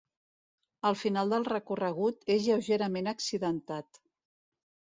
El final del recorregut és lleugerament accidentat.